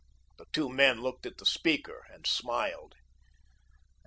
The two men looked at the speaker and smiled.